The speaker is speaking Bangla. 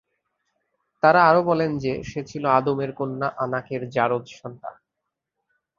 তারা আরো বলেন যে, সে ছিল আদমের কন্যা আনাকের জারয সন্তান।